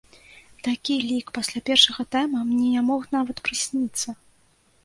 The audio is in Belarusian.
Такі лік пасля першага тайма мне не мог нават прысніцца.